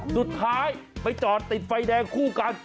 สุดท้ายไปจอดติดไฟแดงคู่กัน